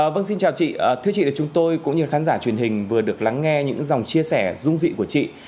vâng xin chào chị thưa chị chúng tôi cũng như khán giả truyền hình vừa được lắng nghe những dòng chia sẻ dung dị của chị